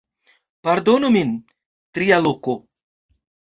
Pardonu min... tria loko